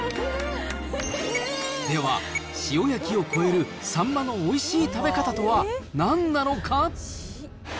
では、塩焼きを超えるサンマのおいしい食べ方とはなんなのか。